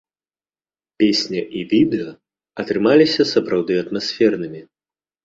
Песня і відэа атрымаліся сапраўды атмасфернымі.